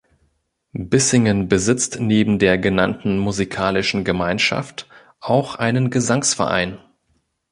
Bissingen besitzt neben der genannten musikalischen Gemeinschaft auch einen Gesangsverein.